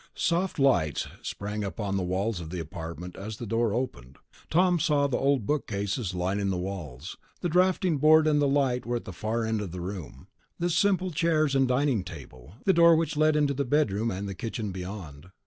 Soft lights sprang up on the walls of the apartment as the door opened. Tom saw the old bookcases lining the walls, the drafting board and light at the far end of the room, the simple chairs and dining table, the door which led into the bedroom and kitchen beyond.